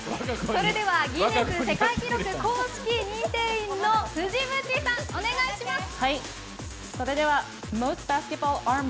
それではギネス世界記録認定員の藤渕さん、お願いします。